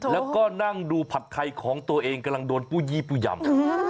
แล้วก็นั่งดูผัดไทยของตัวเองกำลังโดนปู้ยี่ปู้ยำ